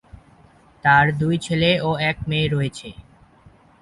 তাঁর দুই ছেলে ও এক মেয়ে রয়েছে।